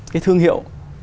cái thương hiệu